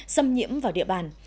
xâm nhiễm vào địa bàn